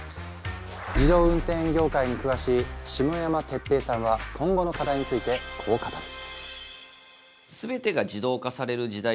自動運転業界に詳しい下山哲平さんは今後の課題についてこう語る。